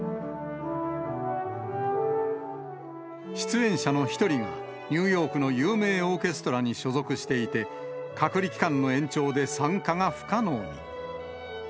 出演者の一人が、ニューヨークの有名オーケストラに所属していて、隔離期間の延長で参加が不可能に。